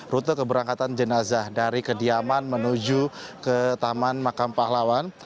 rute keberangkatan jenazah dari kediaman menuju ke taman makam pahlawan